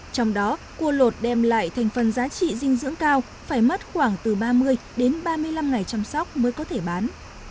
trong đó cua lột đem lại thành phần giá trị dinh dưỡng cao phải mất khoảng từ ba mươi đến ba mươi năm ngày chăm sóc mới có thể bán